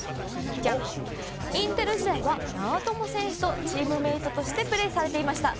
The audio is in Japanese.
インテル時代は長友選手とチームメートとしてプレーされていました。